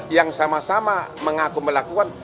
yang sama sama mengaku melakukan